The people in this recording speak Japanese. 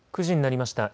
９時になりました。